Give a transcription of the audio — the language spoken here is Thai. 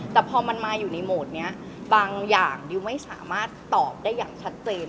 แต่พอมันมาอยู่ในโหมดนี้บางอย่างดิวไม่สามารถตอบได้อย่างชัดเจน